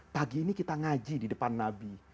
pagi ini kita ngaji di depan nabi